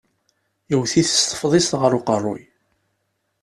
Yewwet-it s tefḍist ɣer uqeṛṛuy.